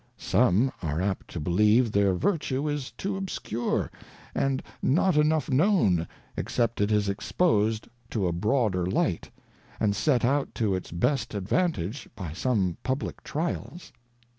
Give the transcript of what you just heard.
Some are apt to believe their Vertue is too Obscure, and not enough known, except it is exposed to a broader Light, and set out to its best advantage, by some publick Trials.